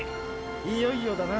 いよいよだな。